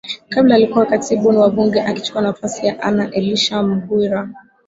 Kabla alikuwa katibu wa bunge akichukua nafasi ya Anna Elisha Mghwira